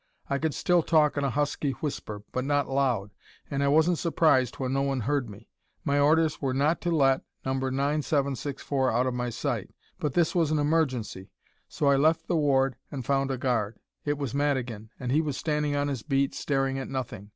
I could still talk in a husky whisper, but not loud, and I wasn't surprised when no one heard me. My orders were not to let No. 9764 out of my sight, but this was an emergency, so I left the ward and found a guard. It was Madigan and he was standing on his beat staring at nothing.